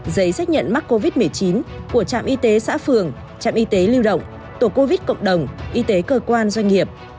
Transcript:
giấy xác nhận mắc covid một mươi chín của trạm y tế xã phường trạm y tế lưu động tổ covid cộng đồng y tế cơ quan doanh nghiệp